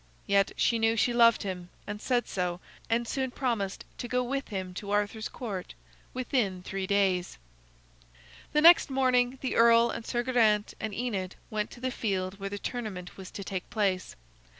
Yet, she knew she loved him, and said so, and soon promised to go with him to Arthur's Court within three days. The next morning, the earl and Sir Geraint and Enid went to the field where the tournament was to take place.